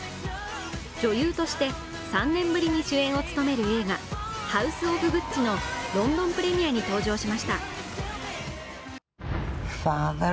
女優として３年ぶりに主演を務める映画「ハウス・オブ・グッチ」のロンドンプレミアに登場しました。